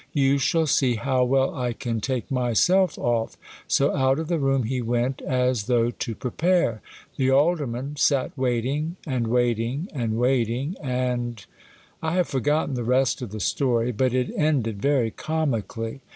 You shall see hov/ w^ell I can take myself off. So out of the room he went, as though to prepare. The Alderman sat waiting, and waiting, and waiting, and 1 have forgotten the rest of the story; but it ended very comically.